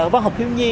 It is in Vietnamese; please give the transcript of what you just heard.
văn học thiếu nhi